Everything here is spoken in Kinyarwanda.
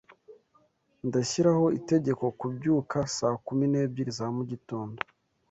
Ndashyiraho itegeko kubyuka saa kumi n'ebyiri za mugitondo.